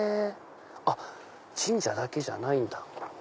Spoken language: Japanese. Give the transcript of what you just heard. あっ神社だけじゃないんだ。